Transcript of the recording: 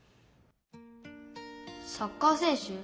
サッカー選手？